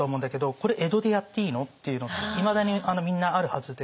これ江戸でやっていいの？っていうのっていまだにみんなあるはずで。